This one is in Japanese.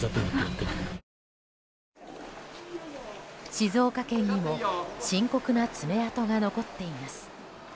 静岡県にも深刻な爪痕が残っています。